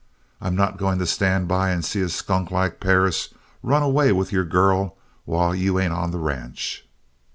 I'm not going to stand by and see a skunk like Perris run away with your girl while you ain't on the ranch.